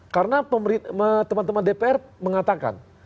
karena teman teman dpr mengatakan